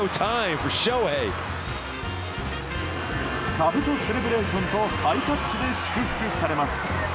かぶとセレブレーションとハイタッチで祝福されます。